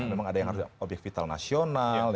memang ada yang harus obyek vital nasional